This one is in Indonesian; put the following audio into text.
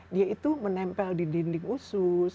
dia itu menempel di dinding usus